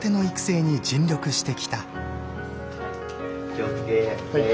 気をつけ礼。